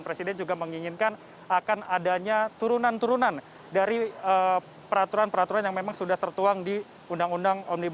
presiden juga menginginkan akan adanya turunan turunan dari peraturan peraturan yang memang sudah tertuang di undang undang omnibus